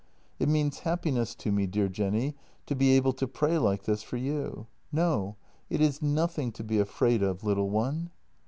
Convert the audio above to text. It means happiness to me, dear Jenny, to be able to pray like this for you. No; it is nothing to be afraid of, little one."